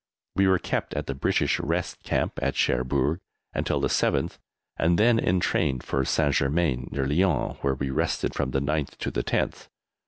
We were kept at the British Rest Camp at Cherbourg until the 7th, and then entrained for St. Germain, near Lyons, where we rested from the 9th to the 10th.